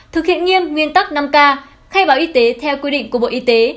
thực hiện nghiêm nguyên tắc năm k khai báo y tế theo quy định của bộ y tế